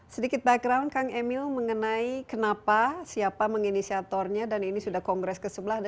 sedikit background kang emil mengenai kenapa siapa menginisiatornya dan ini sudah kongres ke sebelah